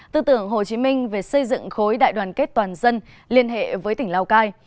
tư tưởng hồ chí minh về xây dựng khối đại đoàn kết toàn dân liên hệ với tỉnh lào cai